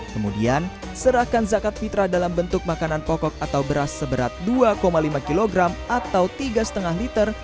kemudian serahkan zakat fitrah dalam bentuk makanan pokok atau beras seberat dua lima kg atau tiga lima liter